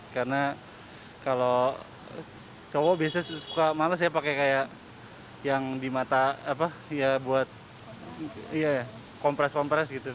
karena kalau cowok biasanya suka males ya pakai yang di mata buat kompres kompres gitu